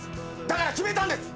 だから決めたんです。